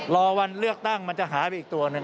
รอวันเลือกตั้งมันจะหายไปอีกตัวหนึ่ง